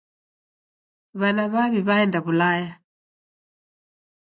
W'ana w'aw'i w'aenda w'ulaya.